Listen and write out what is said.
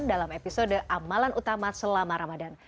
dalam episode amalan utama selama ramadan